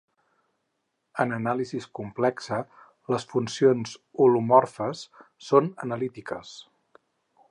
En anàlisi complexa, les funcions holomorfes són analítiques.